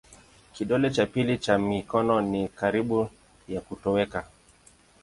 Kidole cha pili cha mikono ni karibu ya kutoweka.